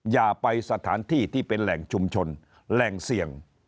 อย่าไปสถานที่ที่เป็นแหล่งชุมชนแหล่งเสี่ยง